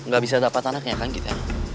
gak bisa dapat tanah kenyakan kita